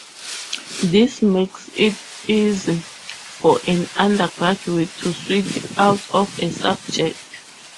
This makes it easy for an undergraduate to switch out of a subject.